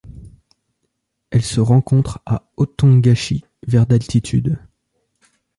Elle se rencontre à Otongachi vers d'altitude.